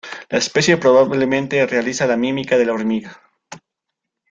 La especie probablemente realice la mímica de la hormiga.